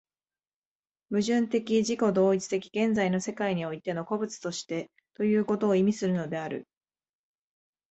矛盾的自己同一的現在の世界においての個物としてということを意味するのである。